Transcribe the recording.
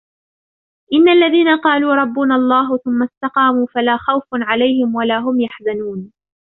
إِنَّ الَّذِينَ قَالُوا رَبُّنَا اللَّهُ ثُمَّ اسْتَقَامُوا فَلَا خَوْفٌ عَلَيْهِمْ وَلَا هُمْ يَحْزَنُونَ